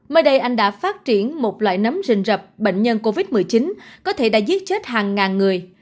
mới đây anh đã phát triển một loại nấm rình rập bệnh nhân covid một mươi chín có thể đã giết chết hàng ngàn người